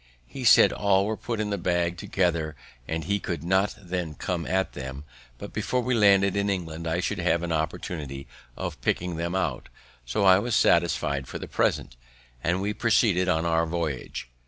He said all were put into the bag together and he could not then come at them; but, before we landed in England, I should have an opportunity of picking them out; so I was satisfied for the present, and we proceeded on our voyage.